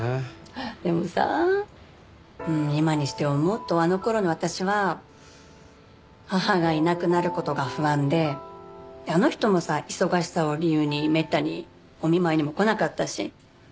でもさ今にして思うとあの頃の私は母がいなくなる事が不安であの人もさ忙しさを理由にめったにお見舞いにも来なかったし。